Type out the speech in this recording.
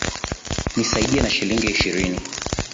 Nisaidie na shilingi ishirini